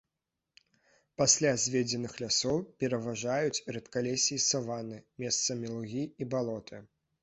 Пасля зведзеных лясоў пераважаюць рэдкалессі і саванны, месцамі лугі і балоты.